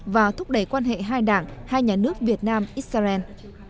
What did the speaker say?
và thúc đẩy quan hệ hai đảng hai nhà nước việt nam israel